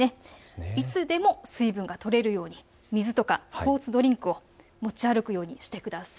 いつでも水分がとれるように水、スポーツドリンクを持ち歩くようにしてください。